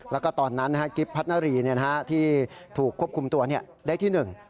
แล้วก็ตอนนั้นกิ๊บพัฒนารีที่ถูกควบคุมตัวได้ที่หนึ่ง